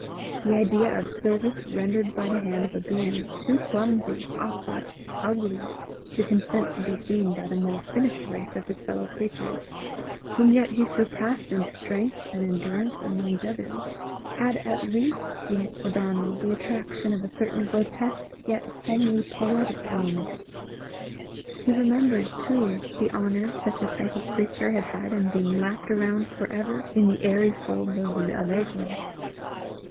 The idea of service rendered by the hand of a being too clumsy, awkward, ugly, to consent to be seen by the more finished race of his fellow creatures, whom yet he surpassed in strength and endurance and longevity, had at least in it for Donal the attraction of a certain grotesque yet homely poetic element. He remembered too the honour such a type of creature had had in being lapt around for ever in the airy folds of L'Allegro.